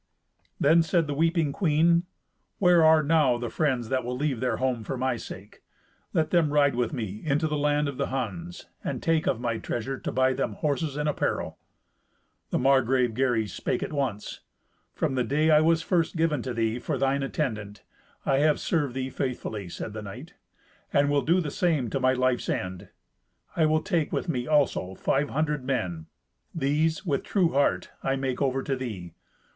Then said the weeping queen, "Where are now the friends that will leave their home for my sake? Let them ride with me into the land of the Huns, and take of my treasure to buy them horses and apparel." The Margrave Gary spake at once, "From the day I was first given to thee for thine attendant, I have served thee faithfully," said the knight, "and will do the same to my life's end. I will take with me also five hundred men; these, with true heart, I make over to thee.